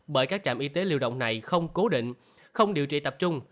bởi các trạm y tế lưu động này không cố định không điều trị tập trung